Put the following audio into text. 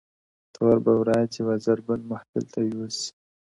• تور بورا دي وزر بل محفل ته یوسي ,